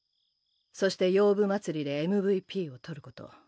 そして「洋舞祭り」でＭＶＰを取ること。